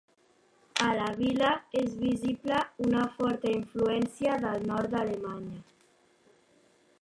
A la vila és visible una forta influència del nord d'Alemanya.